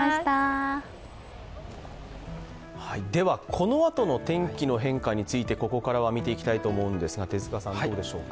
このあとの天気の変化についてここからは見ていきたいと思うんですが、どうでしょうか。